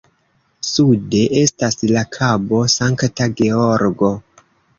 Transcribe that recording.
Sude estas la Kabo Sankta Georgo.